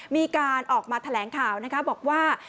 มีการออกมาแถลงข่าวนะคะบอกว่า